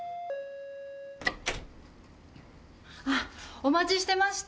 お待ちしてました！